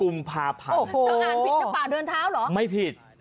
ต้องอ่านผิดที่ปากเดินเท้าหรอไม่ผิด